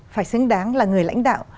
phải xứng đáng là người lãnh đạo